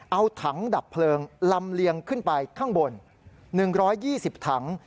เอาถังดับเพลิงลำเลียงขึ้นไปข้างบน๑๒๐ถัง